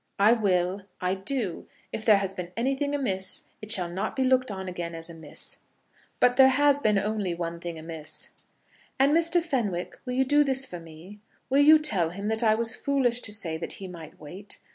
"I will. I do. If there has been anything amiss, it shall not be looked on again as amiss. But there has been only one thing amiss." "And, Mr. Fenwick, will you do this for me? Will you tell him that I was foolish to say that he might wait?